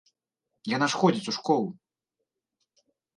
Яна ж ходзіць у школу.